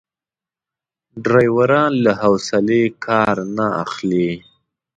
ډریوران له حوصلې کار نه اخلي.